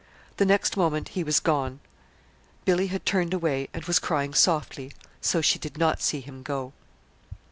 The next moment he was gone. Billy had turned away and was crying softly, so she did not see him go.